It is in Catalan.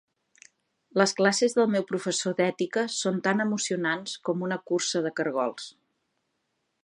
Les classes del meu professor d'ètica són tan emocionants com una cursa de cargols.